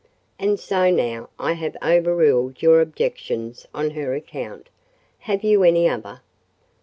And so now I have overruled your objections on her account. Have you any other?"